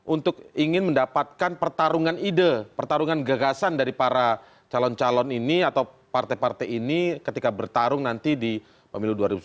untuk ingin mendapatkan pertarungan ide pertarungan gagasan dari para calon calon ini atau partai partai ini ketika bertarung nanti di pemilu dua ribu sembilan belas